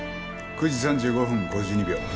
９時３５分５２秒。